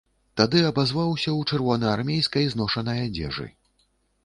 Тады абазваўся ў чырвонаармейскай зношанай адзежы.